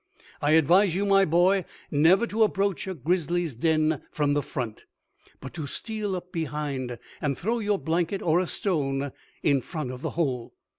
"I advise you, my boy, never to approach a grizzly's den from the front, but to steal up behind and throw your blanket or a stone in front of the hole.